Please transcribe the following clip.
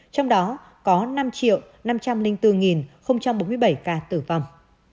trong đó có năm năm trăm linh bốn bốn mươi bảy ca tử vong